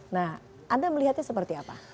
nah anda melihatnya seperti apa